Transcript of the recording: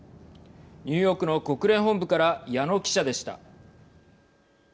ニューヨークの国連本部から矢野記者でした。